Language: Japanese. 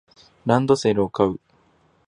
ランドセルを買う